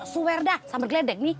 suwer dah sambil geledek nih